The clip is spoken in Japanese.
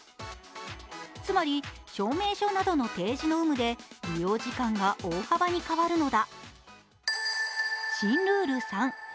つまり証明書などの提示の有無で利用時間が大幅に変わるのだ。